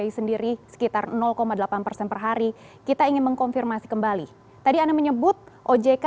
sendiri sekitar delapan persen per hari kita ingin mengkonfirmasi kembali tadi anda menyebut ojk